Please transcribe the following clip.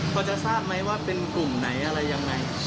พอจะทราบไหมว่าเป็นกลุ่มไหนอะไรยังไง